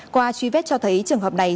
qua truy vết cho thấy trường hợp này